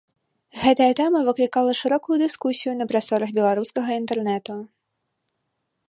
Гэтая тэма выклікала шырокую дыскусію на прасторах беларускага інтэрнэту.